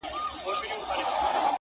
په ځنځیر د دروازې به هسي ځان مشغولوینه.!